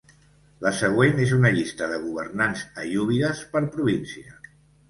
La següent és una llista de governants aiúbides per província.